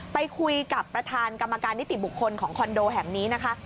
ไปคุยกับประธานกรรมการนิติบุคคลของคอนโดแห่งนี้นะคะ